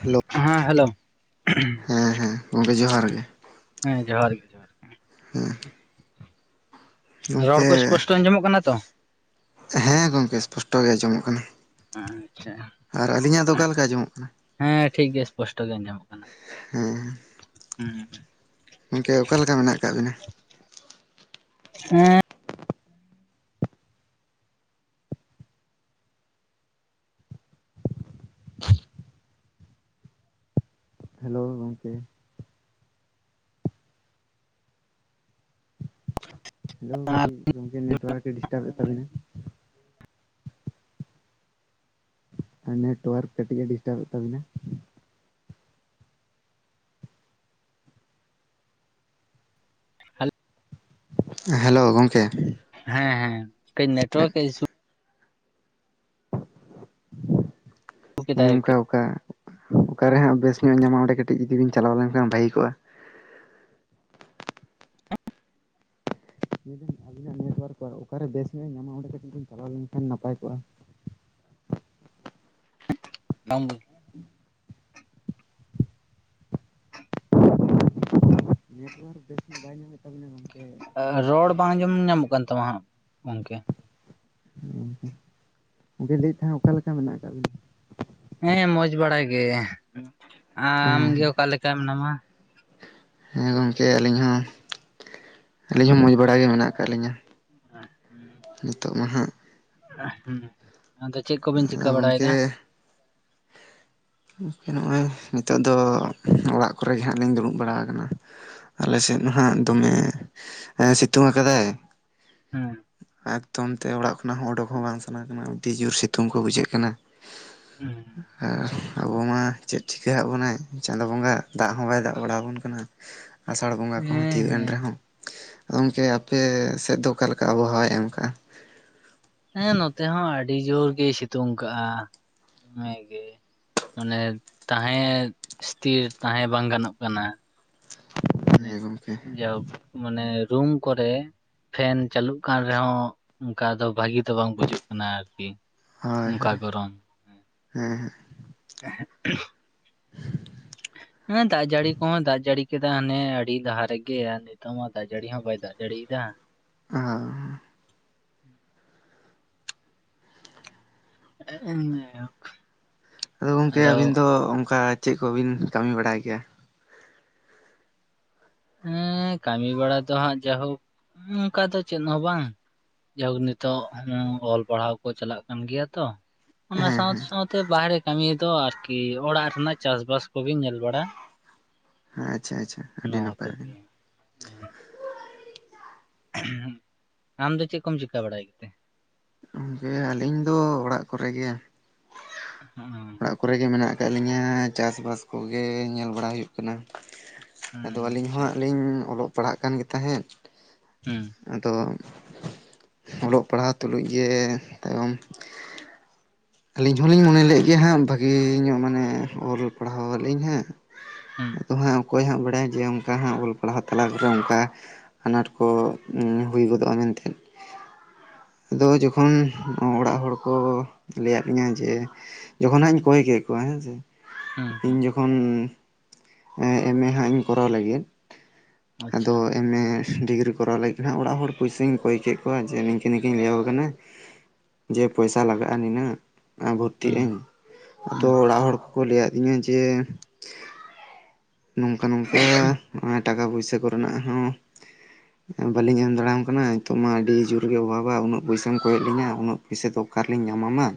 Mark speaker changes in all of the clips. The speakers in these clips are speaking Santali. Speaker 1: ᱦᱮᱞᱳ
Speaker 2: ᱦᱮᱸ ᱦᱮᱞᱳ
Speaker 1: ᱦᱮᱸ ᱦᱮᱸ ᱜᱚᱢᱠᱮ ᱡᱚᱦᱟᱨ ᱜᱮ
Speaker 2: ᱦᱮᱸ ᱡᱚᱦᱟᱨ ᱜᱮ ᱡᱚᱦᱟᱨ ᱜᱮ
Speaker 1: ᱦᱮᱸ
Speaker 2: ᱨᱚᱲ ᱠᱚ ᱥᱯᱚᱥᱴᱚ ᱟᱸᱡᱚᱢᱚᱜ ᱠᱟᱱᱟ ᱛᱚ
Speaker 1: ᱦᱮᱸ ᱜᱚᱢᱠᱮ ᱥᱯᱚᱥᱴᱚ ᱜᱮ ᱟᱸᱡᱚᱢᱚᱜ ᱠᱟᱱᱟ
Speaker 2: ᱟᱪᱪᱷᱟ
Speaker 1: ᱟᱨ ᱟᱹᱞᱤᱧᱟᱜ ᱫᱚ ᱚᱠᱟ ᱞᱮᱠᱟ ᱟᱸᱡᱚᱢᱚᱜ ᱠᱟᱱᱟ
Speaker 2: ᱦᱮᱸ ᱴᱷᱤᱠ ᱜᱮᱭᱟ ᱥᱯᱚᱥᱴᱚ ᱜᱮ ᱟᱸᱡᱚᱢᱚᱜ ᱠᱟᱱᱟ
Speaker 1: ᱦᱮᱸ
Speaker 2: ᱦᱩᱸ
Speaker 1: ᱜᱚᱢᱠᱮ ᱚᱠᱟ ᱞᱮᱠᱟ ᱢᱮᱱᱟᱜ ᱟᱠᱟᱜ ᱵᱤᱱᱟ
Speaker 2: ᱦᱮᱸ
Speaker 1: ᱦᱮᱞᱳ ᱜᱚᱢᱠᱮ ᱦᱮᱞᱳ
Speaker 2: ᱟᱨ
Speaker 1: ᱠᱟᱹᱴᱤᱡ ᱜᱚᱝᱠᱮ ᱱᱮᱴᱣᱟᱨᱠ ᱰᱤᱥᱴᱟᱵᱮᱫ ᱛᱟᱵᱤᱱᱟ ᱟᱨ ᱱᱮᱴᱣᱟᱨᱠ ᱠᱟᱹᱴᱤᱡ ᱮ ᱰᱤᱥᱴᱟᱵ ᱮᱜ ᱛᱟᱵᱤᱱᱟ ᱦᱮᱞᱳ ᱜᱚᱢᱠᱮ
Speaker 2: ᱦᱮᱸ ᱦᱮ ᱠᱟᱹᱴᱤᱡ ᱱᱮᱴᱣᱟᱨᱠ ᱤᱥᱩ
Speaker 1: ᱦᱮᱸ
Speaker 2: ᱠᱮᱫᱟᱭ
Speaker 1: ᱜᱚᱝᱠᱮ ᱚᱠᱟ ᱚᱠᱟ ᱨᱮ ᱦᱟᱸᱜ ᱵᱮᱥ ᱧᱚᱜ ᱧᱟᱢᱟ ᱚᱸᱰᱮ ᱠᱟᱹᱴᱤᱡ ᱡᱩᱫᱤ ᱵᱤᱱ ᱪᱟᱞᱟᱣ ᱞᱮᱱᱠᱷᱟᱱ ᱵᱷᱟᱹᱜᱤ ᱠᱚᱜ-ᱟ ᱢᱮᱱ ᱫᱟᱹᱧ ᱟᱵᱤᱱᱟᱜ ᱱᱮᱴᱣᱟᱨᱠ ᱠᱚ ᱚᱠᱟ ᱨᱮ ᱵᱮᱥ ᱧᱚᱜ ᱧᱟᱢᱟ ᱚᱸᱰᱮ ᱠᱟᱹᱴᱤᱡ ᱵᱤᱱ ᱪᱟᱞᱟᱣ ᱞᱮᱱᱠᱷᱟᱱ ᱱᱟᱯᱟᱭ ᱠᱚᱜ-ᱟ
Speaker 2: ᱵᱟᱝ ᱵᱩᱡ
Speaker 1: ᱱᱮᱴᱣᱟᱨᱠ ᱵᱮᱥ ᱧᱚᱜ ᱵᱟᱭ ᱧᱟᱢᱮᱫ ᱛᱟᱵᱮᱱᱟ ᱜᱚᱝᱠᱮ
Speaker 2: ᱨᱚᱲ ᱵᱟᱝ ᱟᱸᱡᱚᱢ ᱧᱟᱢᱚᱜ ᱠᱟᱱ ᱛᱟᱢᱟ ᱦᱟᱸᱜ ᱜᱚᱝᱠᱮ
Speaker 1: ᱦᱩ ᱜᱚᱝᱠᱮ ᱟᱫᱚ ᱞᱟᱹᱭᱮᱫ ᱛᱟᱦᱮᱱ ᱚᱠᱟ ᱞᱮᱠᱟ ᱢᱮᱱᱟᱜ ᱟᱠᱟᱫ ᱵᱤᱱᱟ
Speaker 2: ᱦᱮᱸ ᱢᱚᱸᱡᱽ ᱵᱟᱲᱟ ᱜᱮ ᱟᱢᱜᱮ
Speaker 1: ᱦᱮᱸ
Speaker 2: ᱚᱠᱟ ᱞᱮᱠᱟ ᱢᱮᱱᱟᱢᱟ
Speaker 1: ᱦᱮᱸ ᱜᱚᱝᱠᱮ ᱟᱹᱞᱤᱧ ᱦᱚᱸ᱾ ᱟᱞᱤᱧ ᱦᱚᱸ ᱵᱟᱲᱟ ᱜᱮ ᱢᱮᱱᱟᱜ ᱟᱠᱟᱫ ᱞᱤᱧᱟᱹ ᱱᱤᱛᱚᱜ ᱢᱟ ᱦᱟᱸᱜ ᱾
Speaker 2: ᱟᱦ ᱦᱩᱸ ᱟᱫᱚ ᱪᱮᱫ ᱠᱚᱵᱮᱱ
Speaker 1: ᱟᱫᱚ
Speaker 2: ᱪᱤᱠᱟᱹ
Speaker 1: ᱜᱚᱝᱠᱮ
Speaker 2: ᱵᱟᱲᱟᱭᱮᱫᱟ ᱾
Speaker 1: ᱜᱚᱢᱠᱮ ᱱᱚᱜᱼᱚᱭ ᱱᱤᱛᱚᱜ ᱫᱚ ᱚᱲᱟᱜ ᱠᱚᱨᱮ ᱜᱮ ᱦᱟᱸᱜ ᱞᱤᱧ ᱫᱩᱲᱩᱵ ᱵᱟᱲᱟ ᱟᱠᱟᱱᱟ ᱾ ᱟᱞᱮ ᱥᱮᱫ ᱢᱟ ᱱᱟᱷᱟᱜ ᱫᱚᱢᱮ ᱥᱤᱛᱩᱝ ᱟᱠᱟᱫᱟᱭ ᱾
Speaker 2: ᱦᱮᱸ
Speaker 1: ᱮᱠᱫᱚᱢ ᱛᱮ ᱚᱲᱟᱜ ᱠᱷᱚᱱᱟᱜ ᱦᱚᱸ ᱚᱰᱳᱠ ᱦᱚᱸ ᱵᱟᱝ ᱥᱟᱱᱟ ᱠᱟᱱᱟ ᱟᱹᱰᱤ ᱡᱳᱨ ᱥᱤᱛᱩᱝ ᱠᱚ ᱵᱩᱡᱷᱟᱹᱜ ᱠᱟᱱᱟ ᱾
Speaker 2: ᱦᱩᱸ᱾
Speaker 1: ᱟᱨ ᱟᱵᱚ ᱢᱟ ᱪᱮᱫ ᱪᱤᱠᱟᱹ ᱟᱜ ᱵᱚᱱᱟᱭ ᱪᱟᱸᱫᱳ ᱵᱚᱸᱜᱟ ᱫᱟᱜ ᱦᱚᱸ ᱵᱟᱭ ᱫᱟᱜ ᱵᱟᱲᱟ ᱟᱵᱚᱱ ᱠᱟᱱᱟ ᱾ ᱟᱥᱟᱲ ᱵᱚᱸᱜᱟ
Speaker 2: ᱦᱮᱸ
Speaker 1: ᱠᱚᱦᱚᱸ ᱾ ᱮᱱ
Speaker 2: ᱦᱮᱸ
Speaker 1: ᱨᱮᱦᱚᱸ ᱟᱫᱚ ᱜᱚᱢᱠᱮ ᱟᱯᱮ ᱥᱮᱫ ᱫᱚ ᱚᱠᱟᱞᱮᱠᱟ ᱟᱵᱚᱦᱟᱣᱟᱭ ᱮᱢ ᱟᱠᱟᱟᱜᱼᱟ?
Speaker 2: ᱦᱮᱸ ᱱᱚᱛᱮ ᱦᱚᱸ ᱟᱹᱰᱤ ᱡᱳᱨ ᱜᱮᱭ ᱥᱤᱛᱩᱝ ᱠᱟᱜᱼᱟ ᱫᱚᱢᱮ ᱜᱮ ᱾ ᱚᱱᱮ ᱛᱟᱦᱮᱸ ᱤᱥᱛᱷᱤᱨ ᱛᱟᱦᱮᱸ ᱵᱟᱝ ᱜᱟᱱᱚᱜ ᱠᱟᱱᱟ ᱾ ᱚᱱᱮ
Speaker 1: ᱦᱮᱸ ᱜᱚᱝᱠᱮ
Speaker 2: ᱡᱟᱣ ᱾ ᱢᱟᱱᱮ ᱨᱩᱢ ᱠᱚᱨᱮ ᱯᱷᱮᱱ ᱪᱟᱹᱞᱩᱜ ᱠᱟᱱ ᱨᱮᱦᱚᱸ ᱚᱱᱠᱟ ᱫᱚ ᱵᱷᱟᱜᱤ ᱵᱟᱝ ᱵᱩᱡᱩᱜ ᱠᱟᱱᱟ ᱟᱨᱠᱤ
Speaker 1: ᱦᱳᱭ
Speaker 2: ᱚᱱᱠᱟ
Speaker 1: ᱦᱳᱭ
Speaker 2: ᱜᱚᱨᱚᱢ ᱦᱮᱸ ᱾ ᱮᱦᱮ ᱩᱦᱩᱸᱜ᱾ ᱦᱮᱸ ᱫᱟᱜ ᱡᱟᱹᱲᱤ ᱠᱚᱦᱚᱸ ᱫᱟᱜ ᱡᱟᱹᱲᱤ ᱠᱮᱫᱟ ᱦᱟᱱᱮ ᱟᱹᱰᱤ ᱞᱟᱦᱟ ᱨᱮᱜᱮ ᱾ ᱱᱤᱛᱚᱜ ᱢᱟ ᱫᱟᱜᱡᱟᱹᱲᱤ ᱦᱚᱸ ᱵᱟᱭ ᱫᱟᱜ ᱡᱟᱹᱲᱤᱮᱫᱟ ᱾
Speaker 1: ᱟᱢ
Speaker 2: [unintelligible]
Speaker 1: ᱟᱫᱚ ᱜᱚᱝᱠᱮ ᱟᱹᱵᱤᱱ ᱫᱚ ᱚᱱᱠᱟ ᱪᱮᱫ ᱠᱚᱵᱤᱱ ᱠᱟᱹᱢᱤ ᱵᱟᱲᱟᱭ ᱜᱮᱭᱟ ᱾
Speaker 2: ᱦᱮᱸ ᱠᱟᱹᱢᱤ ᱵᱟᱲᱟ ᱫᱚ ᱦᱟᱸᱜ ᱡᱟᱭᱦᱳᱠ ᱚᱱᱠᱟ ᱫᱚ ᱪᱮᱫ ᱦᱚᱸ ᱵᱟᱝ ᱾ ᱡᱟᱣ ᱦᱩᱠ ᱱᱤᱛᱚᱜ ᱦᱚᱸ ᱚᱞ ᱯᱟᱲᱦᱟᱣ ᱠᱚ ᱪᱟᱞᱟᱜ ᱠᱟᱱ ᱜᱮᱭᱟ ᱛᱚ, ᱚᱱᱟ
Speaker 1: ᱦᱮᱸ
Speaker 2: ᱥᱟᱶᱛ
Speaker 1: ᱦᱮᱸ
Speaker 2: ᱥᱟᱶᱛ ᱛᱮ ᱛᱮ ᱵᱟᱦᱨᱮ ᱠᱟᱹᱢᱤ ᱫᱚ ᱟᱨᱠᱤ ᱚᱲᱟᱜ ᱨᱮᱱᱟᱜ ᱪᱟᱥᱵᱟᱥ ᱠᱚᱜᱮ ᱧᱮᱞ ᱵᱟᱲᱟ ᱾
Speaker 1: ᱟᱪᱪᱷᱟ ᱟᱪᱪᱷᱟ ᱟᱹᱰᱤ ᱱᱟᱯᱟᱭ ᱟᱹᱰᱤ
Speaker 2: ᱠᱚᱜᱮ
Speaker 1: ᱱᱟᱯᱟᱭ
Speaker 2: ᱟᱢ ᱫᱚ ᱪᱮᱫ ᱠᱚᱢ ᱪᱤᱠᱟᱹ ᱵᱟᱲᱟᱭ ᱜᱮᱛᱮ?
Speaker 1: ᱜᱚᱢᱠᱮ ᱟᱹᱞᱤᱧ ᱫᱚ ᱚᱲᱟᱜ ᱠᱚᱨᱮ ᱜᱮ ᱾
Speaker 2: ᱦᱩᱸ᱾
Speaker 1: ᱚᱲᱟᱜ ᱠᱚᱨᱮ ᱜᱮ ᱢᱮᱱᱟᱜ ᱟᱠᱟᱫ ᱞᱤᱧᱟᱹ ᱪᱟᱥᱼᱵᱟᱥ ᱠᱚᱜᱮ ᱧᱮᱞ ᱵᱟᱲᱟ ᱦᱩᱭᱩᱜ ᱠᱟᱱᱟ ᱾
Speaker 2: ᱦᱩᱸ
Speaker 1: ᱟᱫᱚ ᱟᱹᱞᱤᱧ
Speaker 2: ᱟᱪᱪᱷᱟ
Speaker 1: ᱦᱚᱸᱦᱟᱜ
Speaker 2: ᱟᱪᱪᱷᱟ
Speaker 1: ᱞᱤᱧ ᱚᱞᱚᱜ ᱯᱟᱲᱦᱟᱜ ᱠᱟᱱᱜ ᱛᱟᱦᱮᱸᱫ
Speaker 2: ᱦᱩᱸ
Speaker 1: ᱟᱫᱚ ᱾ ᱚᱞᱚᱜ ᱯᱟᱲᱦᱟᱣ ᱛᱩᱞᱩᱡ ᱜᱮ ᱛᱟᱭᱚᱢ ᱾ ᱟᱹᱞᱤᱧ ᱦᱚᱞᱤᱧ ᱢᱚᱱᱮ ᱞᱮᱫ ᱜᱮᱭᱟ ᱦᱟᱸᱜ ᱵᱷᱟᱹᱜᱤ ᱧᱚᱜ ᱢᱟᱱᱮ ᱚᱞ ᱯᱟᱲᱦᱟᱣ ᱟᱞᱤᱧ ᱦᱟᱸᱜ
Speaker 2: ᱦᱩᱸ
Speaker 1: ᱾ ᱟᱫᱚ ᱦᱟᱸᱜ ᱚᱠᱚᱭ ᱦᱟᱸᱜ ᱵᱟᱲᱟᱭᱟ ᱡᱮ ᱚᱱᱠᱟ ᱦᱟᱸᱜ ᱚᱞ ᱯᱟᱲᱦᱟᱣ ᱛᱟᱞᱟ ᱨᱮ ᱚᱱᱠᱟ ᱾ ᱟᱱᱟᱴ ᱠᱚ ᱦᱩᱭ ᱜᱚᱫᱚᱜᱼᱟ ᱢᱮᱱᱛᱮᱫ ᱾ ᱟᱫᱚ ᱡᱚᱠᱷᱚᱱ ᱚᱲᱟᱜ ᱦᱚᱲ ᱠᱚ ᱞᱟᱹᱭᱟᱜ ᱫᱤᱧᱟᱹ ᱡᱮ ᱾ ᱡᱚᱠᱷᱚᱱ ᱦᱟᱸᱜ ᱤᱧ ᱠᱚᱭ ᱠᱮᱫ ᱠᱚᱣᱟ ᱦᱮᱸᱥᱮ
Speaker 2: ᱦᱩᱸ ᱦᱩᱸ
Speaker 1: ᱤᱧ ᱡᱚᱠᱷᱚᱱ ᱾ ᱮᱢ ᱮ ᱦᱟᱸᱜ ᱤᱧ ᱠᱚᱨᱟᱣ ᱞᱟᱹᱜᱤᱫ ᱟᱫᱚ
Speaker 2: ᱟᱪᱪᱷᱟ
Speaker 1: ᱮᱢ ᱮ ᱾ ᱰᱤᱜᱽᱨᱤ ᱠᱚᱨᱟᱣ ᱞᱟᱹᱜᱤᱫ ᱦᱟᱸᱜ ᱚᱲᱟᱜ ᱦᱚᱲ ᱯᱩᱭᱥᱟᱹᱧ ᱠᱚᱭ ᱠᱮᱫ ᱠᱚᱣᱟ ᱡᱮ ᱱᱤᱝᱠᱟᱹ ᱱᱤᱝᱠᱟᱹᱧ ᱞᱟᱹᱭᱟᱠᱚ ᱠᱟᱱᱟ ᱡᱮ ᱯᱚᱭᱥᱟ ᱞᱟᱜᱟᱜᱼᱟ ᱱᱤᱱᱟᱹᱜ ᱾ ᱟᱸ ᱵᱷᱚᱨᱛᱤᱜᱼ
Speaker 2: ᱦᱩᱸ
Speaker 1: ᱟᱹᱧ ᱟᱫᱚ
Speaker 2: ᱦᱩᱸ
Speaker 1: ᱚᱲᱟᱜ ᱦᱚᱲ ᱠᱚᱠᱚ ᱞᱟᱹᱭ ᱟᱫᱤᱧᱟ ᱡᱮ ᱾ ᱱᱚᱝᱠᱟ ᱱᱚᱝᱠᱟ ᱦᱟᱜ ᱴᱟᱠᱟ ᱯᱚᱭᱥᱟᱹ ᱠᱚᱨᱮᱱᱟᱜ ᱦᱚᱸ᱾ ᱵᱟᱹᱞᱤᱧ ᱮᱢ ᱫᱟᱲᱮᱭᱟᱢ ᱠᱟᱱᱟ ᱱᱤᱛᱚᱜ ᱢᱟ ᱟᱹᱰᱤ ᱡᱩᱨ ᱜᱮ ᱚᱵᱷᱟᱵᱟ ᱩᱱᱟᱹᱜ ᱯᱚᱭᱥᱟᱢ ᱠᱚᱭᱮᱜ ᱞᱤᱧᱟ ᱩᱱᱟᱹᱜ ᱾ ᱯᱚᱭᱥᱟᱹ ᱫᱚ ᱚᱠᱟᱨ ᱨᱮᱞᱤᱧ ᱧᱟᱢᱟᱢᱟ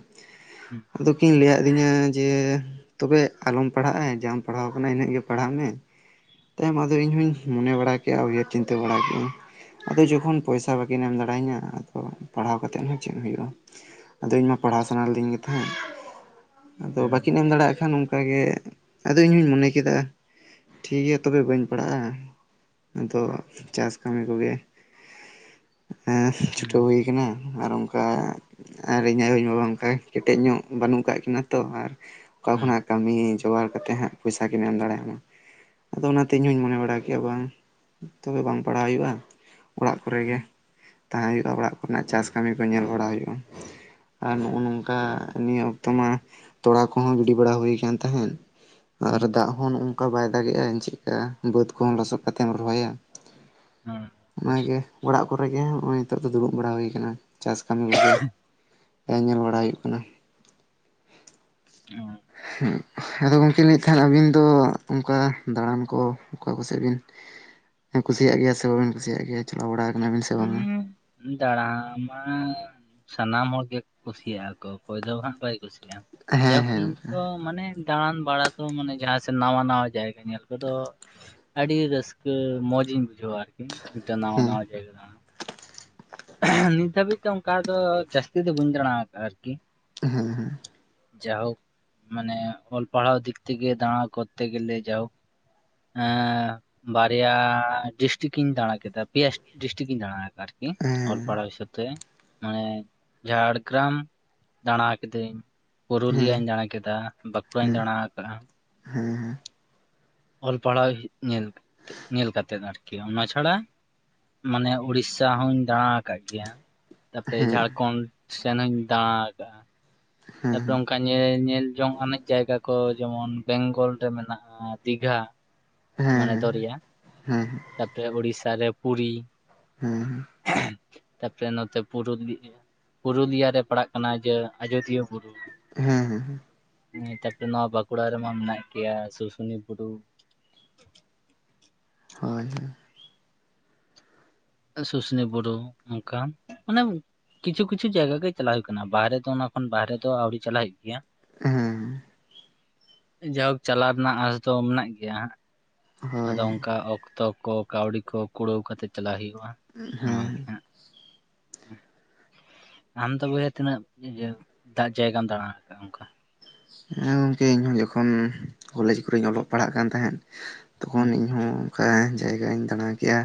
Speaker 2: ᱦᱩᱸ
Speaker 1: ᱟᱫᱚ ᱠᱤᱱ ᱞᱟᱹᱭᱟᱜ ᱫᱤᱧᱟ ᱡᱮ ᱾ ᱛᱚᱵᱮ ᱟᱞᱚᱢ ᱯᱟᱲᱦᱟᱜᱼᱟ ᱡᱟᱢ ᱯᱟᱲᱦᱟᱣ ᱠᱟᱱᱟ ᱤᱱᱟᱹᱜ ᱜᱮ ᱯᱟᱲᱦᱟᱜ ᱢᱮ ᱾ ᱛᱟᱭᱚᱢ ᱟᱫᱚ ᱤᱧᱦᱩᱧ ᱢᱚᱱᱮ ᱵᱟᱲᱟ ᱠᱮᱜ ᱼ ᱟ ᱩᱭᱦᱟᱹᱨ ᱪᱤᱱᱛᱟᱹ ᱵᱟᱲᱟ ᱠᱮᱜ ᱟᱹᱧ ᱾ ᱟᱫᱚ ᱡᱚᱠᱷᱚᱱ ᱯᱚᱭᱥᱟ ᱵᱟᱹᱠᱤᱱ ᱮᱢ ᱫᱟᱲᱮᱭᱟᱹᱧᱟᱹ ᱟᱫᱚ ᱯᱟᱲᱦᱟᱣ ᱠᱟᱛᱮᱫ ᱦᱚᱸ ᱪᱮᱫ ᱦᱩᱭᱩᱜᱼᱟ ᱾ ᱟᱫᱚ ᱤᱧ ᱢᱟ ᱯᱟᱲᱦᱟᱣ ᱥᱟᱱᱟ ᱞᱤᱫᱤᱧ ᱜᱮ ᱛᱟᱦᱮᱸᱫ ᱾ ᱟᱫᱚ
Speaker 2: ᱦᱩᱸ
Speaker 1: ᱵᱟᱹᱠᱤᱱ ᱮᱢ
Speaker 2: ᱦᱩᱸ
Speaker 1: ᱫᱟᱲᱮᱭᱟᱜ ᱠᱷᱟᱱ ᱚᱱᱠᱟᱜᱮ ᱟᱫᱚ ᱤᱧᱦᱚᱸᱧ ᱢᱚᱱᱮ ᱠᱮᱫᱟ ᱾ ᱴᱷᱤᱠ ᱜᱮᱭᱟ ᱛᱚᱵᱮ ᱵᱟᱹᱧ ᱯᱟᱲᱦᱟᱜᱼᱟ ᱟᱫᱚ ᱪᱟᱥ ᱠᱟᱹᱢᱤ ᱠᱚᱜᱮ ᱾ ᱦᱮᱸ ᱪᱷᱩᱴᱟᱹᱣ ᱦᱩᱭ ᱠᱟᱱᱟ ᱟᱨ ᱚᱱᱠᱟ ᱟᱨ ᱤᱧ ᱟᱭᱳ ᱵᱟᱵᱟ ᱚᱱᱠᱟ ᱠᱮᱴᱮᱡ ᱧᱚᱜ ᱵᱟᱹᱱᱩᱜ ᱠᱟᱜ ᱠᱤᱱᱟ ᱛᱚ ᱟᱨ ᱚᱠᱟ
Speaker 2: ᱦᱩᱸ
Speaker 1: ᱠᱷᱚᱱᱟᱜ ᱠᱟᱹᱢᱤ ᱡᱚᱜᱟᱲ ᱠᱟᱛᱮᱫ ᱦᱟᱸᱜ ᱯᱚᱭᱥᱟ ᱠᱤᱱ ᱮᱢ ᱫᱟᱲᱮᱭᱟ ᱟᱫᱚ ᱚᱱᱟᱛᱮ ᱤᱧᱦᱚᱸ ᱢᱚᱱᱮ ᱵᱟᱲᱟ ᱠᱮᱭᱟ ᱵᱟᱝ ᱛᱚᱵᱮ ᱵᱟᱝ ᱯᱟᱲᱦᱟᱣ ᱦᱩᱭᱩᱜ-ᱟ ᱚᱲᱟᱜ ᱠᱚᱨᱮ ᱜᱮ
Speaker 2: ᱦᱩᱸ
Speaker 1: ᱛᱟᱦᱮᱸ ᱦᱩᱭᱩᱜ-ᱟ ᱚᱲᱟᱜ ᱠᱚᱨᱮᱱᱟᱜ ᱪᱟᱥ ᱠᱟᱹᱢᱤ ᱠᱚ ᱧᱮᱞ ᱵᱟᱲᱟ ᱦᱩᱭᱩᱜ-ᱟ ᱟᱨ ᱱᱚᱜ-ᱚ ᱱᱚᱝᱠᱟ ᱱᱤᱭᱟᱹ ᱚᱠᱛᱚ ᱢᱟ ᱛᱚᱞᱟ ᱠᱚᱦᱚᱸ ᱜᱤᱰᱤ ᱵᱟᱲᱟ ᱦᱩᱭ ᱟᱠᱟᱱ ᱛᱟᱦᱮᱸᱱ ᱟᱨ
Speaker 2: ᱦᱩᱸ
Speaker 1: ᱫᱟᱜ ᱦᱚᱸ ᱱᱚᱝᱠᱟ ᱵᱟᱭ ᱫᱟᱜᱮᱜ-ᱟ ᱪᱮᱫᱠᱟ ᱵᱟᱹᱫᱽ ᱠᱚᱦᱚᱸ ᱞᱚᱥᱚᱫ ᱠᱟᱛᱮᱢ ᱨᱚᱦᱚᱭᱟ
Speaker 2: ᱦᱩᱸ
Speaker 1: ᱚᱱᱟᱜᱮ
Speaker 2: ᱚᱵᱚᱥᱥᱳᱭ
Speaker 1: ᱚᱲᱟᱜ
Speaker 2: ᱚᱵᱚᱥᱥᱳᱭ
Speaker 1: ᱠᱚᱨᱮ ᱜᱮ ᱦᱚᱸᱜ-ᱚᱭ ᱱᱤᱛᱳᱜ ᱫᱚ ᱫᱩᱲᱩᱵ ᱵᱟᱲᱟ ᱦᱩᱭ ᱟᱠᱟᱱᱟ ᱪᱟᱥ ᱠᱟᱹᱢᱤ ᱠᱚᱜᱮ ᱧᱮᱞ ᱵᱟᱲᱟ
Speaker 2: ᱦᱩᱸ
Speaker 1: ᱦᱩᱭᱩᱜ ᱠᱟᱱᱟ
Speaker 2: ᱚ
Speaker 1: ᱟᱫᱚ ᱜᱚᱢᱠᱮ ᱞᱟᱹᱭᱮᱫ ᱛᱟᱦᱮᱱᱟ ᱟᱹᱵᱤᱱ ᱫᱚ ᱚᱱᱠᱟ ᱫᱟᱬᱟᱱ ᱠᱚ ᱚᱠᱟ ᱠᱚᱥᱮᱫ ᱵᱤᱱ ᱠᱩᱥᱤᱭᱟᱜ ᱜᱮᱭᱟ ᱥᱮ ᱵᱟᱵᱤᱱ ᱠᱩᱥᱤᱭᱟᱜ ᱜᱮᱭᱟ ᱪᱟᱞᱟᱣ ᱵᱟᱲᱟ ᱠᱟᱱᱟᱵᱤᱱ ᱥᱮ ᱵᱟᱝᱟ
Speaker 2: ᱦᱩᱸ ᱫᱟᱬᱟ ᱢᱟ ᱥᱟᱱᱟᱢ ᱦᱚᱲ ᱜᱮ ᱠᱩᱥᱤᱭᱟᱜ-ᱟ ᱠᱚ ᱚᱠᱚᱭ ᱫᱚ ᱦᱟᱸᱜ ᱵᱟᱭ ᱠᱩᱥᱤᱭᱟᱜ-ᱟ ᱜᱮᱭᱟᱢ
Speaker 1: ᱦᱮᱸ
Speaker 2: ᱡᱟᱭᱦᱳᱠ
Speaker 1: ᱦᱮᱸ
Speaker 2: ᱤᱧ ᱛᱚ ᱢᱟᱱᱮ ᱫᱟᱬᱟᱱ ᱵᱟᱲᱟ ᱛᱚ ᱢᱟᱱᱮ ᱡᱟᱦᱟᱸ ᱥᱮᱫ ᱱᱟᱣᱟ ᱱᱟᱣᱟ ᱡᱟᱭᱜᱟ ᱧᱮᱞ ᱠᱚᱫᱚ ᱟᱹᱰᱤ ᱨᱟᱹᱥᱠᱟᱹ ᱢᱚᱸᱡᱤᱧ ᱵᱩᱡᱷᱟᱹᱣᱟ ᱟᱨᱠᱤ ᱢᱤᱫᱴᱟᱝ ᱱᱟᱣᱟ
Speaker 1: ᱦᱮᱸ
Speaker 2: ᱱᱟᱣᱟ ᱡᱟᱭᱜᱟ ᱱᱤᱛ ᱫᱷᱟᱹᱵᱤᱡᱛᱮ ᱚᱱᱠᱟ ᱫᱚ ᱡᱟᱹᱥᱛᱤ ᱫᱚ ᱵᱟᱹᱧ ᱫᱟᱲᱟ ᱟᱠᱟᱫᱟ ᱟᱨᱠᱤ
Speaker 1: ᱦᱮᱸ ᱦᱮᱸ
Speaker 2: ᱡᱟᱭᱦᱳᱠ ᱢᱟᱱᱮ ᱚᱞ ᱯᱟᱲᱦᱟᱣ ᱫᱤᱠ ᱛᱮ ᱫᱟᱬᱟ ᱠᱚᱛᱮ ᱜᱮᱞᱮ ᱡᱟᱭᱦᱳᱠ ᱵᱟᱨᱭᱟ ᱰᱤᱥᱴᱤᱠ ᱤᱧ ᱫᱟᱬᱟ ᱠᱮᱫᱟ ᱯᱮᱭᱟ ᱰᱤᱥᱴᱤᱠ ᱤᱧ ᱫᱟᱬᱟ ᱟᱨᱠᱤ ᱚᱞ
Speaker 1: ᱦᱮᱸ
Speaker 2: ᱯᱟᱲᱦᱟᱣ ᱵᱤᱥᱚᱭ ᱛᱮ ᱢᱟᱱᱮ ᱡᱷᱟᱲᱜᱨᱟᱢ ᱫᱟᱬᱟ ᱠᱟᱹᱫᱟᱹᱧ
Speaker 1: ᱦᱮᱸ
Speaker 2: ᱯᱩᱨᱩᱞᱤᱭᱟᱹᱧ ᱫᱟᱬᱟ ᱠᱮᱫᱟ ᱵᱟᱸᱠᱩᱲᱟᱧ
Speaker 1: ᱦᱮᱸ
Speaker 2: ᱫᱟᱬᱟ ᱠᱟᱜ-ᱟ
Speaker 1: ᱦᱮᱸ
Speaker 2: ᱚᱞ ᱯᱟᱲᱦᱟᱣ ᱧᱮᱞ ᱧᱮᱞ ᱠᱟᱛᱮᱜ ᱟᱨᱠᱤ ᱚᱱᱟ ᱪᱷᱟᱲᱟ ᱢᱟᱱᱮ ᱩᱲᱤᱥᱥᱟ ᱦᱚᱧ ᱫᱟᱬᱟ ᱟᱠᱟᱫ ᱜᱮᱭᱟ ᱛᱟᱯᱚᱨᱮ
Speaker 1: ᱦᱮᱸ
Speaker 2: ᱡᱷᱟᱲᱠᱷᱚᱱᱰ ᱥᱮᱱ ᱦᱚᱧ ᱫᱟᱬᱟ ᱟᱠᱟᱟᱜ-ᱟ ᱛᱟᱯᱚᱨᱮ
Speaker 1: ᱦᱮᱸ
Speaker 2: ᱚᱱᱠᱟ ᱧᱮᱞ ᱧᱮᱞ ᱡᱚᱝ ᱟᱱᱮᱡ ᱡᱟᱭᱜᱟ ᱠᱚ ᱡᱮᱢᱚᱱ ᱵᱮᱝᱜᱚᱞ ᱨᱮ ᱢᱮᱱᱟᱜ-ᱟ ᱫᱤᱜᱷᱟ ᱢᱟᱱᱮ
Speaker 1: ᱦᱮᱸ
Speaker 2: ᱫᱚᱨᱭᱟ
Speaker 1: ᱦᱮᱸ
Speaker 2: ᱛᱟᱨᱯᱚᱨᱮ ᱩᱲᱤᱥᱥᱟ ᱨᱮ ᱯᱩᱨᱤ,
Speaker 1: ᱦᱩᱸ
Speaker 2: ᱛᱟᱯᱚᱨᱮ ᱱᱚᱛᱮ ᱯᱩᱨᱩᱞᱤᱭᱟᱹ ᱯᱩᱨᱩᱞᱤᱭᱟ ᱨᱮ ᱯᱟᱲᱟᱜ ᱠᱟᱱᱟ ᱡᱮ ᱟᱡᱚᱫᱤᱭᱟᱹ ᱵᱩᱨᱩ ᱾
Speaker 1: ᱦᱩᱸ ᱦᱩᱸ
Speaker 2: ᱦᱮᱸ ᱛᱟᱯᱚᱨᱮ ᱱᱚᱣᱟ ᱵᱟᱸᱠᱩᱲᱟ ᱨᱮᱢᱟ ᱢᱮᱱᱟᱜ ᱜᱮᱭᱟ ᱥᱩᱥᱩᱱᱤᱭᱟᱹ ᱵᱩᱨᱩ
Speaker 1: ᱦᱳᱭ ᱦᱳᱭ
Speaker 2: ᱥᱩᱥᱱᱤ ᱵᱩᱨᱩ ᱱᱚᱝᱠᱟ ᱢᱟᱱᱮ ᱠᱤᱪᱷᱩ ᱠᱤᱪᱷᱩ ᱡᱟᱭᱜᱟ ᱜᱮ ᱪᱟᱞᱟᱣ ᱦᱩᱭᱩᱜ ᱠᱟᱱᱟ ᱵᱟᱦᱨᱮ ᱫᱚ ᱚᱱᱟ ᱠᱷᱚᱱ ᱵᱟᱦᱨᱮ ᱫᱚ ᱟᱹᱣᱨᱤ ᱪᱟᱞᱟᱜ ᱦᱩᱭᱩᱜ ᱜᱮᱭᱟ
Speaker 1: ᱦᱮᱸ
Speaker 2: ᱡᱟᱭᱦᱳᱠ ᱪᱟᱞᱟᱜ ᱨᱮᱱᱟᱜ ᱟᱸᱥ ᱫᱚ ᱢᱮᱱᱟᱜ ᱜᱮᱭᱟ ᱦᱟᱸᱜ
Speaker 1: ᱦᱳᱭ
Speaker 2: ᱟᱫᱚ ᱚᱱᱠᱟ ᱚᱠᱛᱚ ᱡᱚᱛᱚ ᱠᱚ ᱠᱟᱹᱣᱰᱤ ᱠᱚ ᱠᱩᱲᱟᱹᱣ ᱠᱟᱛᱮ ᱪᱟᱞᱟᱜ ᱦᱩᱭᱩᱜ-ᱟ ᱱᱚᱣᱟ ᱜᱮ
Speaker 1: ᱦᱮᱸ
Speaker 2: ᱦᱟᱸᱜ ᱟᱢ ᱫᱚ ᱵᱚᱭᱦᱟ ᱛᱤᱱᱟᱹᱜ ᱤᱭᱟᱹ ᱫᱟᱜ ᱡᱟᱭᱜᱟᱢ ᱫᱟᱲᱟ ᱟᱠᱟᱜ-ᱟ ᱚᱱᱠᱟ
Speaker 1: ᱦᱮᱸ ᱜᱚᱢᱠᱮ ᱤᱧᱦᱚᱸ ᱡᱚᱠᱷᱚᱱ ᱠᱚᱞᱮᱡᱽ ᱠᱚᱨᱮᱧ ᱚᱞᱚᱜ ᱯᱟᱲᱦᱟᱜ ᱠᱟᱱ ᱛᱟᱦᱮᱸᱫ ᱛᱚᱠᱷᱚᱱ
Speaker 2: ᱦᱮᱸ
Speaker 1: ᱤᱧᱦᱚᱸ ᱚᱱᱠᱟ ᱡᱟᱭᱜᱟᱧ ᱫᱟᱬᱟ ᱠᱮᱜ-ᱟ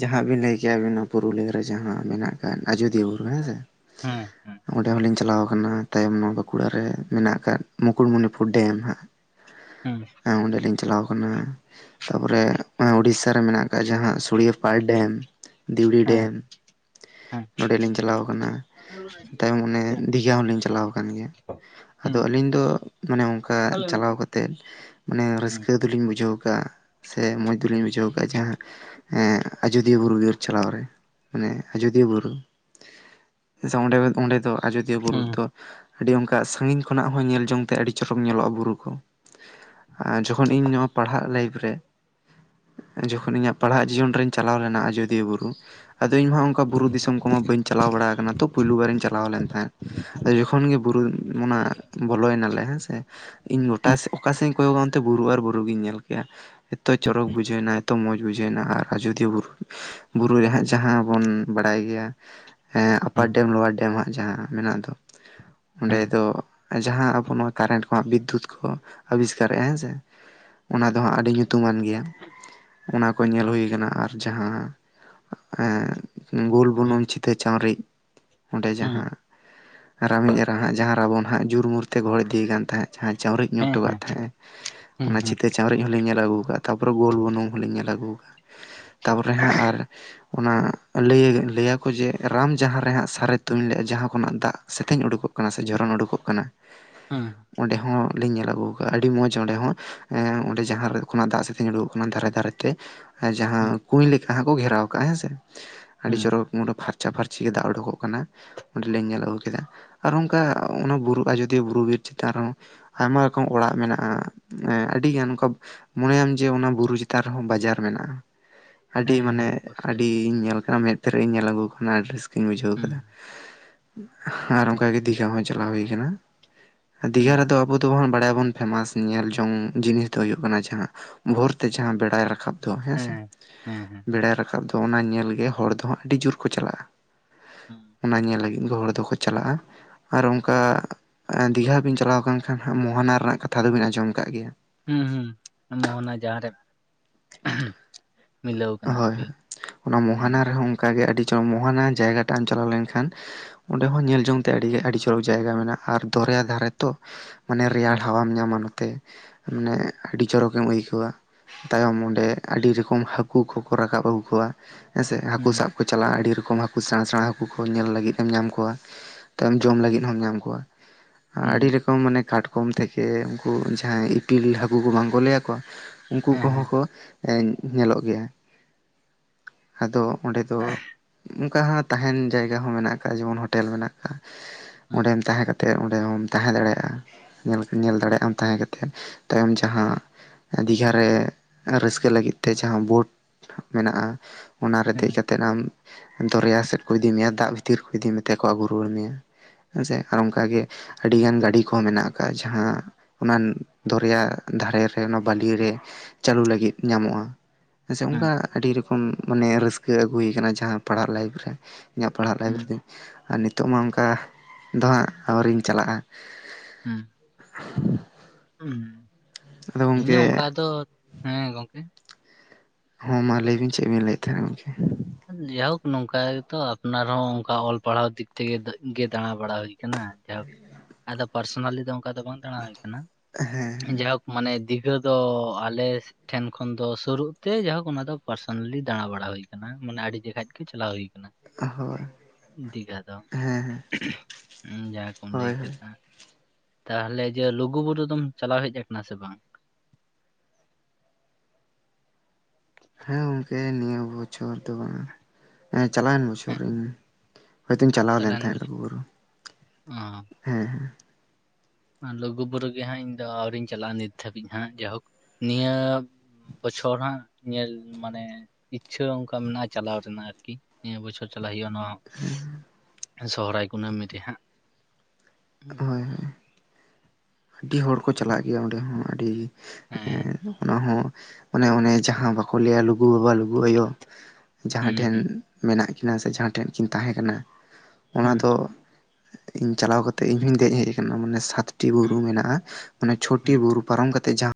Speaker 1: ᱡᱟᱦᱟᱸ ᱵᱤᱱ ᱞᱟᱹᱭ ᱠᱮᱭᱟ ᱵᱤᱱ ᱱᱚᱣᱟ ᱯᱩᱨᱩᱞᱤᱭᱟᱹ ᱨᱮ ᱡᱟᱦᱟᱸ ᱢᱮᱱᱟᱜ ᱟᱠᱟ ᱟᱡᱚᱫᱤᱭᱟᱹ ᱵᱩᱨᱩ ᱦᱮᱸ ᱥᱮ,
Speaker 2: ᱦᱩᱸ
Speaker 1: ᱚᱸᱰᱮ ᱦᱚᱸᱞᱤᱧ ᱪᱟᱞᱟᱣ ᱠᱟᱱᱟ ᱛᱟᱭᱚᱢ ᱱᱚᱣᱟ ᱵᱟᱸᱠᱩᱲᱟ ᱨᱮ ᱢᱮᱱᱟᱜ ᱟᱠᱟᱫ ᱢᱩᱠᱩᱴᱢᱩᱱᱤᱯᱩᱨ ᱰᱮᱢ ᱦᱟᱸᱜ
Speaker 2: ᱦᱩᱸ
Speaker 1: ᱦᱮᱸ ᱰᱮᱞᱤᱧ ᱪᱟᱞᱟᱣ ᱟᱠᱟᱱᱟ ᱛᱟᱯᱚᱨᱮ
Speaker 2: ᱦᱮᱸ
Speaker 1: ᱩᱲᱤᱥᱥᱟ ᱨᱮ ᱢᱮᱱᱟᱜ ᱟᱠᱟᱫ ᱡᱟᱦᱟᱸ ᱥᱩᱲᱤᱭᱟᱹ ᱯᱟᱭ ᱰᱮᱢ ᱫᱤᱣᱲᱤ ᱰᱮᱢ
Speaker 2: ᱦᱮᱸ
Speaker 1: ᱱᱚᱰᱮᱞᱤᱧ ᱪᱟᱞᱟᱣ ᱟᱠᱟᱱᱟ ᱛᱟᱭᱚᱢ ᱚᱱᱮ ᱫᱤᱜᱷᱟ ᱦᱚᱞᱤᱧ ᱪᱟᱞᱟᱣ ᱠᱟᱱ ᱜᱮᱭᱟ ᱟᱫᱚ
Speaker 2: ᱦᱩᱸ
Speaker 1: ᱟᱹᱞᱤᱧ ᱫᱚ ᱢᱟᱱᱮ ᱚᱱᱠᱟ
Speaker 2: ᱯᱟᱞᱮᱱ
Speaker 1: ᱪᱟᱞᱟᱣ ᱠᱟᱛᱮ ᱢᱟᱱᱮ
Speaker 2: ᱦᱩᱸ
Speaker 1: ᱨᱟᱹᱥᱠᱟᱹ
Speaker 2: ᱦᱩᱸ
Speaker 1: ᱫᱚᱞᱤᱧ ᱵᱩᱡᱷᱟᱹᱣ ᱟᱠᱟᱫ-ᱟ ᱥᱮ ᱢᱚᱡ ᱫᱚᱞᱤᱧ ᱵᱩᱡᱷᱟᱹᱣ ᱟᱠᱟᱫᱼᱟ ᱡᱟᱦᱟᱸ ᱟᱡᱳᱚᱫᱤᱭᱟᱹ ᱵᱩᱨᱩ ᱵᱤᱨ ᱪᱟᱞᱟᱣ ᱢᱟᱱᱮ ᱟᱡᱚᱫᱤᱭᱟᱹ ᱵᱩᱨᱩ ᱥᱮ ᱚᱸᱰᱮ ᱚᱸᱰᱮ ᱫᱚ ᱟᱡᱚᱫᱤᱭᱟᱹ ᱵᱩᱨᱩ ᱨᱮᱫᱚ ᱟᱹᱰᱤ ᱚᱱᱠᱟ ᱥᱟᱺᱜᱤᱧ ᱠᱷᱚᱱᱟᱜ ᱦᱚᱸ ᱧᱮᱞ ᱡᱚᱝ ᱛᱮ ᱟᱹᱰᱤ ᱪᱚᱨᱚᱠ ᱧᱮᱞᱚᱜᱼᱟ ᱵᱩᱨᱩ ᱠᱚ- ᱟᱨ ᱡᱚᱠᱷᱚᱱ ᱤᱧ ᱱᱚᱣᱟ ᱯᱟᱲᱦᱟᱜ ᱞᱟᱭᱤᱯᱷ ᱨᱮ ᱡᱚᱠᱷᱚᱱ ᱤᱧᱟᱹᱜ ᱯᱟᱲᱦᱟᱜ ᱡᱤᱭᱚᱱ ᱨᱤᱧ ᱪᱟᱞᱟᱣ ᱞᱮᱱᱟ ᱟᱡᱳᱫᱤᱭᱟᱹ ᱵᱩᱨᱩ ᱟᱫᱚ ᱤᱧᱦᱚ ᱚᱱᱠᱟ ᱵᱩᱨᱩ ᱫᱤᱥᱚᱢ ᱠᱚᱢᱟ ᱵᱟᱹᱧ ᱪᱟᱞᱟᱣ ᱵᱟᱲᱟ ᱠᱟᱱᱟ ᱛᱚ ᱯᱳᱭᱞᱩ ᱵᱟᱨᱤᱧ ᱪᱟᱞᱟᱣ ᱞᱮᱱ ᱛᱟᱦᱮᱸᱫ ᱟᱫᱚ ᱡᱚᱠᱷᱚᱱ ᱜᱮ ᱵᱩᱨᱩ ᱚᱱᱟ ᱵᱚᱞᱚᱭ ᱱᱟᱞᱮ ᱦᱮᱸᱥᱮ ᱤᱧ ᱜᱚᱴᱟ ᱚᱠᱟ ᱥᱮᱫ ᱤᱧ ᱠᱚᱭᱚᱜᱟᱜᱼᱟ ᱚᱱᱛᱮ ᱵᱩᱨᱩ ᱟᱨ ᱵᱩᱨᱩ ᱜᱤᱧ ᱧᱮᱞ ᱠᱮᱜᱼᱟ ᱾ ᱮᱛᱚ ᱪᱚᱨᱚᱠ ᱵᱩᱡᱷᱟᱹᱣ ᱮᱱᱟ ᱮᱛᱚ ᱢᱚᱸᱡᱽ ᱵᱩᱡᱷᱟᱹᱣᱱᱟ ᱟᱨ ᱟᱡᱚᱫᱤᱭᱟᱹ ᱵᱩᱨᱩ ᱵᱩᱨᱩ ᱨᱮ ᱦᱟᱸᱜ ᱡᱟᱦᱟᱸ ᱵᱚᱱ ᱵᱟᱲᱟᱭ ᱜᱮᱭᱟ ᱦᱮ ᱟᱯᱟᱨ ᱰᱮᱢ ᱞᱳᱣᱟᱨ ᱰᱮᱢ ᱦᱟᱜ ᱡᱟᱦᱟᱸ ᱢᱮᱱᱟᱜ ᱫᱚ ᱚᱱᱰᱮ
Speaker 2: ᱦᱮᱸ
Speaker 1: ᱫᱚ ᱡᱟᱦᱟᱸ ᱟᱵᱚ ᱱᱚᱣᱟ ᱠᱟᱨᱮᱱᱴ ᱠᱚ ᱵᱤᱫᱽᱫᱩᱛ ᱠᱚ ᱟᱵᱤᱥᱠᱟᱨᱮᱜ-ᱟ ᱦᱮᱸ ᱥᱮ ᱚᱱᱟ ᱫᱚ ᱦᱟᱸᱜ ᱟᱹᱰᱤ ᱧᱩᱛᱩᱢᱟᱱ ᱜᱮᱭᱟ ᱚᱱᱟ ᱠᱚ ᱧᱮᱞ ᱦᱩᱭ ᱠᱟᱱᱟ ᱟᱨ ᱡᱟᱦᱟᱸ ᱮ ᱜᱳᱞ
Speaker 2: ᱦᱩᱸ
Speaker 1: ᱵᱩᱱᱩᱢ ᱪᱷᱤᱛᱟᱹ ᱪᱟᱶᱨᱤᱡ ᱚᱸᱰᱮ
Speaker 2: ᱦᱩᱸ
Speaker 1: ᱡᱟᱦᱟᱸ- ᱨᱟᱢᱤᱡ ᱮᱨᱟᱦᱟᱸ ᱡᱟᱦᱟᱸ ᱨᱟᱵᱚᱱ ᱦᱟᱸᱜ ᱡᱩᱨᱢᱩᱨᱛᱮ ᱜᱚᱦᱚᱲ ᱤᱫᱤᱭ ᱠᱟᱱ ᱛᱟᱦᱮᱸᱫ ᱡᱟᱦᱟᱸ ᱡᱟᱣᱨᱤᱡ ᱧᱩᱨ
Speaker 2: ᱦᱮᱸ
Speaker 1: ᱦᱚᱴᱚ ᱠᱟᱼᱜ
Speaker 2: ᱦᱮᱸ
Speaker 1: ᱛᱟᱦᱮᱸᱜ-ᱟᱭ
Speaker 2: ᱦᱩᱸ
Speaker 1: ᱚᱱᱟ
Speaker 2: ᱦᱩᱸ
Speaker 1: ᱪᱤᱛᱟᱹ ᱪᱟᱣᱨᱤᱡ ᱦᱚᱞᱤᱧ ᱧᱮᱞ ᱟᱹᱜᱩ ᱠᱟᱜ-ᱟ ᱛᱟᱯᱚᱨᱮ ᱜᱳᱞ ᱵᱩᱱᱩᱝ ᱦᱚᱸᱞᱤᱧᱮᱞ ᱟᱹᱜᱩ ᱠᱟᱜ-ᱟ ᱛᱟᱨᱯᱚᱨᱮ ᱦᱟᱸᱜ ᱟᱨ ᱚᱱᱟ ᱞᱟᱹᱭ ᱞᱟᱹᱭᱟᱠᱚ ᱡᱮ ᱨᱟᱢ ᱡᱟᱦᱟᱸ ᱨᱮ ᱦᱟᱸᱜ ᱥᱟᱨᱮ ᱛᱩᱧ ᱞᱮᱜᱼᱟ ᱡᱟᱦᱟᱸ ᱠᱷᱚᱱᱟᱜ ᱫᱟᱜ ᱥᱮᱛᱮᱧ ᱩᱰᱩᱠᱚᱜ ᱱᱟᱥᱮ ᱡᱷᱚᱨᱚᱱ ᱩᱰᱩᱠᱚᱜ ᱠᱟᱱᱟ
Speaker 2: ᱦᱩᱸ
Speaker 1: ᱚᱸᱰᱮ ᱦᱚᱸ ᱞᱤᱧ ᱧᱮᱞ ᱟᱹᱜᱩ ᱟᱠᱟᱫᱟ ᱟᱹᱰᱤ ᱢᱚᱸᱡᱽ ᱚᱸᱰᱮ ᱦᱚᱸ- ᱚᱸᱰᱮ ᱡᱟᱦᱟᱸ ᱠᱷᱚᱱᱟᱜ ᱫᱟᱜ ᱥᱟᱛᱮᱧ ᱩᱰᱩᱠᱚᱜ ᱠᱟᱱᱟ ᱫᱷᱟᱨᱮ ᱫᱷᱟᱨᱮᱛᱮ
Speaker 2: ᱦᱩᱸ
Speaker 1: ᱡᱟᱦᱟᱸ ᱠᱩᱸᱧ ᱞᱮᱠᱟ ᱦᱚ ᱠᱚ ᱜᱷᱮᱨᱟᱣ ᱠᱟᱜ-ᱟ ᱦᱮᱸ ᱥᱮ ᱟᱹᱰᱤ
Speaker 2: ᱦᱩᱸ
Speaker 1: ᱪᱚᱨᱚᱠ ᱢᱩᱴ ᱯᱷᱟᱨᱪᱟ ᱯᱷᱟᱨᱪᱤ ᱜᱮ ᱫᱟᱜ ᱩᱰᱩᱠᱚᱜ ᱠᱟᱱᱟ ᱚᱸᱰᱮᱞᱮ ᱧᱮᱞ ᱟᱹᱜᱩ ᱠᱮᱫᱟ ᱟᱨ ᱚᱱᱠᱟ ᱚᱱᱟ ᱵᱩᱨᱩ ᱟᱡᱳᱫᱤᱭᱟᱹ ᱵᱩᱨᱩ ᱵᱤᱨ ᱪᱮᱛᱟᱱ ᱨᱮᱦᱚᱸ ᱟᱭᱢᱟ ᱨᱚᱠᱚᱢ ᱚᱲᱟᱜ ᱢᱮᱱᱟᱜ-ᱟ ᱟᱹᱰᱤᱜᱟᱱ ᱚᱱᱠᱟ ᱢᱚᱱᱮᱭᱟᱢ ᱡᱮ ᱚᱱᱟ ᱵᱩᱨᱩ ᱪᱮᱛᱟᱱ ᱨᱮᱦᱚᱸ ᱵᱟᱡᱟᱨ ᱢᱮᱱᱟᱜᱼᱟ ᱟᱹᱰᱤ
Speaker 2: ᱦᱮᱸ ᱦᱮᱸ
Speaker 1: ᱢᱟᱱᱮ
Speaker 2: ᱚᱵᱚᱥᱥᱳᱭ
Speaker 1: ᱟᱹᱰᱤᱧ ᱧᱮᱞ ᱟᱠᱟ-ᱟ ᱢᱮᱫ ᱛᱮᱨᱮ ᱤᱧ ᱧᱮᱞ ᱟᱹᱜᱩ ᱟᱠᱟᱱᱟ ᱟᱹᱰᱤ ᱨᱟᱹᱥᱠᱟᱹᱧ ᱵᱩᱡᱷᱟᱹᱣ ᱠᱟᱫᱟ
Speaker 2: ᱦᱩᱸ
Speaker 1: ᱟᱨ ᱚᱱᱠᱟᱜᱮ ᱫᱤᱜᱷᱟ ᱠᱚ ᱪᱮᱫ ᱞᱮᱠᱟ ᱦᱩᱭ ᱠᱟᱱᱟ ᱫᱤᱜᱷᱟ
Speaker 2: ᱦᱩᱸ
Speaker 1: ᱨᱮᱫᱚ ᱟᱵᱚ ᱫᱚᱵᱚᱱ ᱵᱟᱲᱟᱭᱟᱵᱚᱱ ᱯᱷᱮᱢᱟᱥ ᱧᱮᱞ ᱡᱚᱝ ᱡᱤᱱᱤᱥ ᱫᱚ ᱦᱩᱭᱩᱜ ᱠᱟᱱᱟ ᱡᱟᱦᱟᱸ ᱵᱷᱳᱨ ᱛᱮ ᱡᱟᱦᱟᱸ ᱵᱮᱲᱟᱭ ᱨᱟᱠᱟᱵ ᱫᱚ ᱦᱮᱸᱥᱮ
Speaker 2: ᱦᱮᱸ ᱦᱮᱸ ᱦᱮᱸ
Speaker 1: ᱵᱮᱲᱟᱭ ᱨᱟᱠᱟᱵ ᱫᱚ ᱛᱚ ᱚᱱᱟ ᱧᱮᱞ ᱜᱮ ᱦᱚᱲ ᱫᱚ ᱦᱟᱸᱜ ᱟᱹᱰᱤ ᱡᱳᱨ ᱠᱚ ᱪᱟᱞᱟᱜᱼᱟ ᱚᱱᱟ ᱧᱮᱞ ᱞᱟᱹᱜᱤᱫ ᱜᱮ ᱦᱚᱲ ᱫᱚᱠᱚ ᱪᱟᱞᱟᱜᱼᱟ ᱟᱨ ᱚᱱᱠᱟ ᱫᱤᱜᱷᱟ ᱵᱤᱱ ᱪᱟᱞᱟᱣ ᱟᱠᱟᱱ ᱠᱷᱟᱱ ᱢᱚᱦᱚᱱᱟ ᱨᱮᱱᱟᱜ ᱠᱟᱛᱷᱟ ᱫᱚᱵᱤᱱ ᱟᱸᱡᱚᱢ ᱟᱠᱟᱫ ᱜᱮᱭᱟ
Speaker 2: ᱦᱩᱸ ᱦᱩᱸ ᱢᱟᱱᱮ ᱡᱟᱦᱟᱸ ᱨᱮ
Speaker 1: ᱦᱳᱭ ᱦᱳᱭ ᱚᱱᱟ ᱢᱳᱦᱟᱱᱟ
Speaker 2: ᱦᱮᱸ
Speaker 1: ᱨᱮᱦᱚᱸ ᱚᱱᱠᱟᱜᱮ ᱟᱹᱰᱤ ᱪ ᱢᱳᱦᱟᱱᱟ ᱡᱟᱭᱜᱟ ᱴᱟᱜ ᱮᱢ ᱪᱟᱞᱟᱣ ᱞᱮᱱᱠᱷᱟᱱ ᱚᱸᱰᱮ ᱦᱚᱸ ᱧᱮᱞ ᱡᱚᱝ ᱛᱮ ᱟᱹᱰᱤ ᱟᱹᱰᱤ ᱪᱚᱨᱚᱠ ᱡᱟᱭᱜᱟ ᱢᱮᱱᱟᱜᱼᱟ ᱟᱨ ᱫᱚᱨᱭᱟ ᱫᱷᱟᱨᱮ ᱛᱚ ᱢᱟᱱᱮ ᱨᱮᱭᱟᱲ
Speaker 2: ᱦᱩᱸ
Speaker 1: ᱦᱟᱣᱟᱢ ᱧᱟᱢᱟ ᱱᱚᱛᱮ, ᱢᱟᱱᱮ ᱟᱹᱰᱤ ᱪᱚᱨᱚᱠᱮᱢ ᱟᱹᱭᱠᱟᱹᱣᱟ ᱛᱟᱭᱚᱢ ᱚᱸᱰᱮ ᱟᱹᱰᱤ ᱨᱚᱠᱚᱢ ᱦᱟᱹᱠᱩ ᱦᱟᱹᱠᱩ ᱠᱚᱠᱚ ᱨᱟᱠᱟᱵ ᱟᱹᱜᱩ ᱠᱚᱣᱟ ᱦᱮᱸ ᱥᱮ ᱦᱟᱹᱠᱩ
Speaker 2: ᱦᱩᱸ
Speaker 1: ᱥᱟᱵ ᱠᱚ ᱪᱟᱞᱟᱜᱼᱟ ᱟᱹᱰᱤ ᱨᱚᱠᱚᱢ ᱦᱟᱹᱠᱩ ᱥᱮᱬᱟ ᱥᱮᱬᱟ ᱦᱟᱹᱠᱩ ᱠᱚ ᱧᱮᱞ ᱞᱟᱹᱜᱤᱫ ᱮᱢ ᱧᱟᱢ ᱠᱚᱣᱟ᱾ ᱛᱚ ᱡᱚᱢ ᱞᱟᱹᱜᱤᱫ ᱦᱚᱸᱢ ᱧᱟᱢ ᱠᱚᱣᱟ, ᱟᱹᱰᱤ
Speaker 2: ᱦᱩᱸ
Speaker 1: ᱨᱚᱠᱚᱢ ᱢᱟᱱᱮ ᱠᱟᱴᱠᱚᱢ ᱛᱷᱮᱠᱮ ᱩᱱᱠᱩ ᱡᱟᱦᱟᱸᱭ ᱤᱯᱤᱞ ᱦᱟᱹᱠᱩ ᱠᱚ ᱵᱟᱝ ᱠᱚ ᱞᱟᱹᱭᱟ ᱟᱠᱚᱣᱟ- ᱩᱱᱠᱩ
Speaker 2: ᱦᱮᱸ ᱦᱮᱸ
Speaker 1: ᱠᱚᱦᱚᱸ
Speaker 2: ᱦᱩᱸ ᱦᱩᱸ
Speaker 1: ᱠᱚ ᱧᱮᱞᱚᱜ ᱜᱮᱭᱟ ᱟᱫᱚ ᱚᱸᱰᱮ ᱫᱚ ᱚᱱᱠᱟ ᱛᱟᱦᱮᱱ ᱡᱟᱭᱜᱟ ᱦᱚᱸ ᱢᱮᱱᱟᱜ ᱟᱠᱟᱜ-ᱟ ᱡᱮᱢᱚᱱ ᱦᱳᱴᱮᱞ ᱢᱮᱱᱟᱜ ᱟᱠᱟᱫ ᱚᱸᱰᱮᱢ ᱛᱟᱦᱮᱸ ᱠᱟᱛᱮ ᱛᱮ ᱚᱸᱰᱮ ᱦᱚᱸᱢ ᱛᱟᱦᱮᱸ ᱫᱟᱲᱮᱭᱟᱜ-ᱟ ᱧᱮᱞ ᱫᱟᱲᱮᱭᱟᱜ-ᱟᱢ ᱛᱟᱦᱮᱸ ᱠᱟᱛᱮᱫ ᱛᱟᱭᱚᱢ ᱡᱟᱦᱟᱸ ᱫᱤᱜᱷᱟ ᱨᱮ ᱨᱟᱹᱥᱠᱟᱹ ᱞᱟᱹᱜᱤᱫ ᱛᱮ ᱡᱟᱦᱟᱸ ᱵᱳᱴ ᱢᱮᱱᱟᱜᱼᱟ ᱚᱱᱟᱨᱮ ᱫᱮᱡ ᱠᱟᱼᱼ ᱠᱟᱛᱮᱫ ᱟᱢ ᱫᱚᱨᱭᱟ ᱥᱮᱫ ᱠᱚ ᱤᱫᱤ ᱢᱮᱭᱟ ᱫᱟᱜ ᱵᱷᱤᱛᱤᱨ ᱠᱚ ᱤᱫᱤ ᱢᱮᱛᱮ ᱠᱚ ᱟᱹᱜᱩ ᱨᱩᱣᱟᱹᱲ ᱢᱮᱭᱟ ᱾ ᱦᱮᱸ ᱥᱮ ᱟᱨ ᱚᱱᱠᱟᱜᱮ ᱟᱹᱰᱤᱜᱟᱱ ᱜᱟᱹᱰᱤ ᱠᱚᱦᱚᱸ ᱢᱮᱱᱟᱜ ᱠᱟᱜᱼᱟ ᱡᱟᱦᱟᱸ ᱚᱱᱟ ᱫᱚᱨᱭᱟ ᱫᱷᱟᱨᱮ ᱨᱮ ᱚᱱᱟ ᱵᱟᱹᱞᱤᱨᱮ ᱪᱟᱹᱞᱩ ᱞᱟᱹᱜᱤᱫ ᱧᱟᱢᱚᱜᱼᱟ ᱦᱮ ᱥᱮ
Speaker 2: ᱦᱩᱸ
Speaker 1: ᱚᱱᱠᱟ ᱟᱹᱰᱤ ᱨᱚᱠᱚᱢ ᱢᱟᱱᱮ ᱨᱟᱹᱥᱠᱟᱹ ᱟᱹᱜᱩᱭ ᱠᱟᱱᱟ ᱡᱟᱦᱟᱸ ᱯᱟᱲᱦᱟᱜ ᱞᱟᱭᱤᱯᱷ ᱨᱮ ᱤᱧᱟᱹᱜ ᱯᱟᱲᱦᱟᱜ ᱞᱟᱭᱤᱯ ᱨᱮ
Speaker 2: ᱦᱩᱸ
Speaker 1: ᱛᱤᱧ ᱱᱤᱛᱚᱜ ᱢᱟ ᱚᱱᱠᱟ ᱫᱚ ᱫᱟᱸᱜ ᱟᱣᱟᱨᱤᱧ ᱪᱟᱞᱟᱜᱼᱟ
Speaker 2: ᱦᱩᱸ
Speaker 1: [inaudible]
Speaker 2: ᱦᱩᱸ
Speaker 1: ᱟᱫᱚ ᱜᱚᱢᱠᱮ
Speaker 2: ᱤᱧᱟᱹᱜ ᱚᱱᱠᱟ ᱫᱚ ᱦᱮᱸ ᱜᱚᱝᱠᱮ
Speaker 1: ᱦᱚᱸ ᱢᱟ ᱞᱟᱹᱭ ᱵᱤᱱ ᱪᱮᱫ ᱵᱤᱱ ᱞᱟᱹᱭᱮᱫ ᱛᱟᱦᱮᱱᱟ ᱜᱚᱢᱠᱮ
Speaker 2: ᱡᱟᱦᱳᱠ ᱱᱚᱝᱠᱟ ᱜᱮᱛᱚ ᱟᱯᱱᱟᱨ ᱦᱚᱸ ᱚᱱᱠᱟ ᱚᱞ ᱯᱟᱲᱦᱟᱣ ᱫᱤᱠ ᱛᱷᱮᱠᱮ ᱜᱮ ᱫᱟᱬᱟ ᱵᱟᱲᱟ ᱦᱩᱭ ᱠᱟᱱᱟ ᱡᱟᱭᱦᱳᱠ ᱟᱫᱚ ᱯᱟᱨᱥᱚᱱᱟᱞᱤ ᱫᱚ ᱚᱱᱠᱟ ᱫᱚ ᱵᱟᱝ ᱫᱟᱬᱟ ᱦᱩᱭ ᱟᱠᱟᱱᱟ
Speaker 1: ᱦᱮᱸ
Speaker 2: ᱡᱟᱭᱦᱳᱠ ᱢᱟᱱᱮ ᱫᱤᱜᱷᱟᱹ ᱫᱚ ᱟᱞᱮ ᱴᱷᱮᱱ ᱠᱷᱚᱱ ᱫᱚ ᱥᱩᱨᱩᱜ ᱛᱮ ᱡᱟᱭᱦᱳᱠ ᱚᱱᱟ ᱫᱚ ᱯᱟᱨᱥᱚᱱᱟᱞᱤ ᱫᱟᱬᱟ ᱵᱟᱲᱟ ᱦᱩᱭ ᱟᱠᱟᱱᱟ ᱢᱟᱱᱮ ᱟᱹᱰᱤ ᱡᱟᱠᱷᱟᱡ ᱜᱮ ᱪᱟᱞᱟᱣ ᱦᱩᱭ ᱠᱟᱱᱟ
Speaker 1: ᱦᱳᱭ ᱦᱮᱸ
Speaker 2: ᱾ [inaudible] ᱫᱤᱜᱷᱟ ᱫᱚ
Speaker 1: ᱦᱮᱸ
Speaker 2: ᱡᱟᱦᱟᱸ ᱠᱚᱢ ᱞᱟᱹᱭ
Speaker 1: ᱦᱳᱭ ᱦᱳᱭ
Speaker 2: ᱠᱮᱫᱟ ᱛᱟᱦᱚᱞᱮ ᱡᱮ ᱞᱩᱜᱩ ᱵᱩᱨᱩ ᱫᱚᱢ ᱪᱟᱞᱟᱣ ᱦᱮᱡ ᱠᱟᱱᱟ ᱥᱮ ᱵᱟᱝ?
Speaker 1: ᱦᱮᱸ ᱜᱚᱝᱠᱮ ᱱᱤᱭᱟᱹ ᱵᱚᱪᱷᱚᱨ ᱫᱚ ᱵᱟᱝᱼᱟ ᱦᱮᱸ ᱪᱟᱞᱟᱣᱮᱱ ᱵᱚᱪᱷᱚᱨ
Speaker 2: ᱦᱮᱸ
Speaker 1: ᱤᱧ ᱦᱭᱛᱚᱧ ᱪᱟᱞᱟᱣ ᱞᱮᱱ
Speaker 2: ᱪᱟᱞᱟᱣᱮᱱ
Speaker 1: ᱛᱟᱦᱮᱸᱫ
Speaker 2: ᱵᱚᱪᱷᱚᱨ
Speaker 1: ᱞᱩᱜᱩᱵᱩᱨᱩ ᱦᱮᱸ
Speaker 2: ᱞᱩᱜᱩᱵᱩᱨᱩ ᱜᱮ ᱦᱟᱸᱜ ᱤᱧ ᱫᱚ ᱟᱹᱣᱨᱤᱧ ᱪᱟᱞᱟᱜᱼᱟ ᱱᱤᱛ ᱫᱷᱟᱹᱵᱤᱡ ᱦᱟᱸᱜ ᱡᱟᱭᱦᱳᱠ ᱱᱤᱭᱟᱹ ᱵᱚᱪᱷᱚᱨ ᱦᱟᱸᱜ ᱧᱮᱞ ᱢᱟᱱᱮ ᱤᱪᱪᱷᱟᱹ ᱚᱱᱠᱟ ᱢᱮᱱᱟᱜᱼᱟ ᱪᱟᱞᱟᱣ ᱨᱮᱱᱟᱜ ᱟᱨᱠᱤ ᱱᱤᱭᱟᱹ ᱵᱚᱪᱷᱚᱨ ᱪᱟᱞᱟᱜ ᱦᱩᱭᱩᱜᱼᱟ ᱱᱚᱸ ᱥᱚᱦᱨᱟᱭ ᱠᱩᱱᱟᱹᱢᱤ ᱨᱮ ᱦᱟᱸᱜ
Speaker 1: ᱦᱳᱭ ᱟᱹᱰᱤ ᱦᱚᱲ ᱠᱚ ᱪᱟᱞᱟᱜ ᱜᱮᱭᱟ ᱚᱸᱰᱮ ᱦᱚᱸ ᱟᱹᱰᱤ ᱦᱮᱸ ᱚᱱᱟ ᱦᱚᱸ ᱚᱱᱮ ᱚᱱᱮ ᱡᱟᱦᱟᱸ ᱵᱟᱠᱚ ᱞᱟᱹᱭᱟ ᱞᱩᱜᱩ ᱵᱟᱵᱟ ᱞᱩᱜᱩ ᱜᱩᱜᱩ ᱟᱭᱳ ᱡᱟᱦᱟᱸ
Speaker 2: ᱦᱩᱸ
Speaker 1: ᱴᱷᱮᱱ
Speaker 2: ᱦᱩᱸ
Speaker 1: ᱢᱮᱱᱟᱜ ᱠᱤᱱᱟ ᱥᱮ ᱡᱟᱦᱟᱸ ᱴᱷᱮᱱ ᱠᱤᱱ ᱛᱟᱦᱮᱸ ᱠᱟᱱᱟ ᱚᱱᱟ
Speaker 2: ᱦᱩᱸ
Speaker 1: ᱫᱚ ᱤᱧ ᱪᱟᱞᱟᱣ ᱠᱟᱛᱮ ᱤᱧ ᱦᱚᱸᱧ ᱫᱮᱡ ᱦᱮᱡ ᱟᱠᱟᱱᱟ ᱢᱟᱱᱮ ᱥᱟᱛ [inaudible] ᱪᱷᱚᱴᱤ ᱵᱩᱨᱩ
Speaker 2: ᱦᱩᱸ
Speaker 1: ᱢᱮᱱᱟᱜᱼᱟ ᱚᱱᱮ ᱪᱷᱚᱴᱤ
Speaker 2: ᱦᱩᱸ
Speaker 1: ᱵᱩᱨᱩ ᱯᱟᱨᱚᱢ ᱠᱟᱛᱮᱜ ᱡᱟᱦᱟᱸ